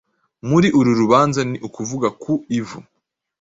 Muri uru rubanza ni ukuvuga ku ivu